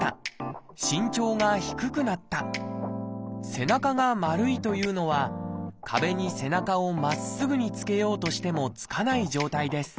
背中が丸いというのは壁に背中をまっすぐにつけようとしてもつかない状態です。